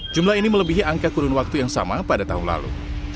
jumlah ini melebihi angka kurun waktu yang sama pada tahun lalu